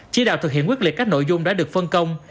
chỉ đạo thực hiện quyết liệt các nội dung đã được phân công